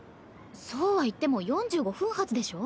そうは言っても４５分発でしょ？